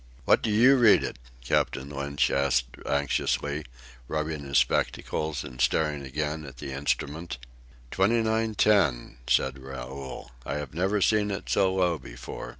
"What do you read it?" Captain Lynch asked anxiously, rubbing his spectacles and staring again at the instrument. "Twenty nine ten," said Raoul. "I have never seen it so low before."